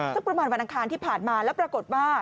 สักประมาณวันอังคารที่ผ่านมาแล้วปรากฏว่า